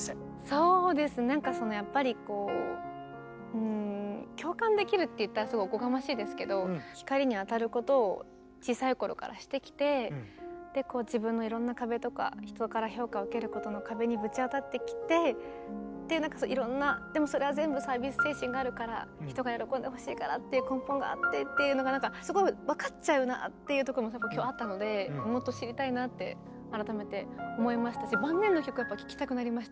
そうですねなんかそのやっぱりこう共感できるって言ったらすごいおこがましいですけど光に当たることを小さい頃からしてきて自分のいろんな壁とか人から評価を受けることの壁にぶち当たってきてでなんかいろんなでもそれは全部サービス精神があるから人が喜んでほしいからっていう根本があってっていうのがなんかすごい分かっちゃうなっていうとこも今日あったのでもっと知りたいなって改めて思いましたしそうでしょ。